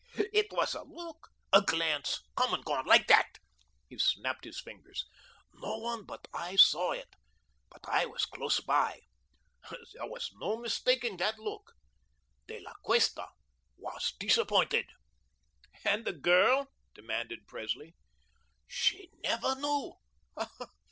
It was a look, a glance, come and gone like THAT," he snapped his fingers. "No one but I saw it, but I was close by. There was no mistaking that look. De La Cuesta was disappointed." "And the girl?" demanded Presley. "She never knew.